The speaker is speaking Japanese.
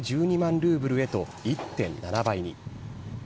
ルーブルへと１．７倍に。